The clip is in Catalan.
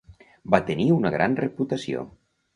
Va tenir una gran reputació.